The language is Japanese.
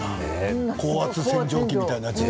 高圧洗浄機みたいな。